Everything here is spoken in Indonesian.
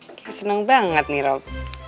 nyak seneng banget nih rob